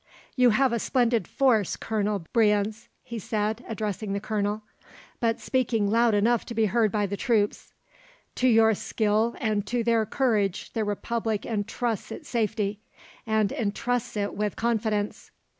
"You have a splendid force, Colonel Brienz," he said addressing the Colonel, but speaking loud enough to be heard by the troops. "To your skill and to their courage the Republic entrusts its safety, and entrusts it with confidence."